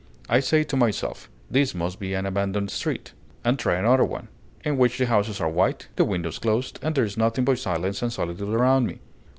I say to myself: "This must be an abandoned street!" and try another one, in which the houses are white, the windows closed, and there is nothing but silence and solitude around me.